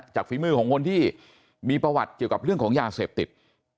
ฝีมือของคนที่มีประวัติเกี่ยวกับเรื่องของยาเสพติด